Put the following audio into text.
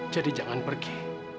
jadi jangan pergi